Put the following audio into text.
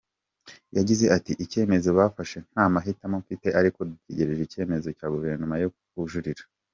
Yagize ati “Icyemezo bafashe nta mahitamo mfite ariko dutegereje icyemezo cya Guverinoma cyo kujurira.